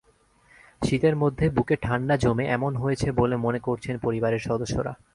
শীতের মধ্যে বুকে ঠান্ডা জমে এমন হয়েছে বলে মনে করছেন পরিবারের সদস্যরা।